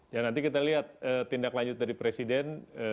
ya nanti kita lihat tindak lanjut dari presiden